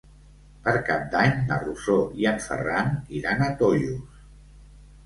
Per Cap d'Any na Rosó i en Ferran iran a Tollos.